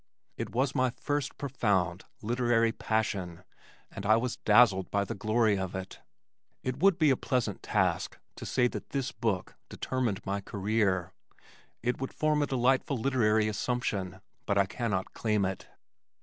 It was my first profound literary passion and I was dazzled by the glory of it. It would be a pleasant task to say that this book determined my career it would form a delightful literary assumption, but I cannot claim it.